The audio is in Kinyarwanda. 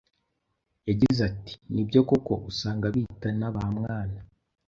yagize ati:”Nibyo koko usanga bitana ba mwana